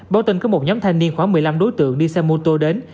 báo tin có một nhóm thanh niên khoảng một mươi năm đối tượng đi xe mô tô đến